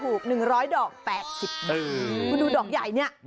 ดอกใหญ่ขายอยู่ที่ราคาดอกละ๒บาท